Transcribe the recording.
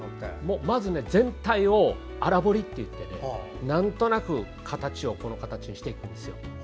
まず全体を粗彫りといってなんとなくこの形にしていくんです。